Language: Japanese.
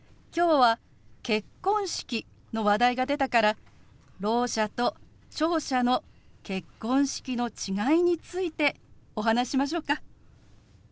今日は結婚式の話題が出たからろう者と聴者の結婚式の違いについてお話ししましょうか？